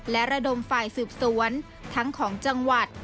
และระดมฝ่ายสืบสวนทั้งของจังหวัด